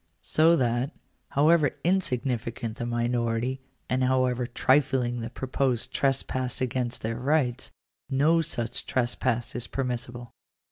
So that, however insignificant the minority, and however trifling the proposed trespass against their rights, no such trespass is permissible.